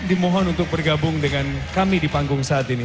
dimohon untuk bergabung dengan kami di panggung saat ini